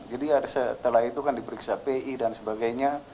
jadi setelah itu kan diperiksa pi dan sebagainya